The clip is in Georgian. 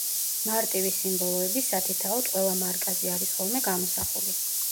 მარტივი სიმბოლოები სათითაოდ ყველა მარკაზე არის ხოლმე გამოსახული.